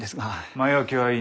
前置きはいい。